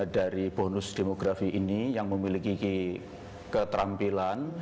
dari bonus demografi ini yang memiliki keterampilan